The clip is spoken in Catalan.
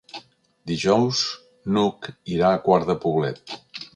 Dijous n'Hug irà a Quart de Poblet.